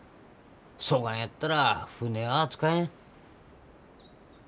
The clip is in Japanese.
そがんやったら船は扱えん。